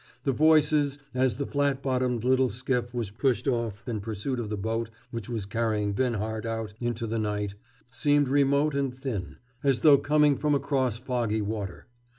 The voices, as the flat bottomed little skiff was pushed off in pursuit of the boat which was hurrying Binhart out into the night, seemed remote and thin, as though coming from across foggy water.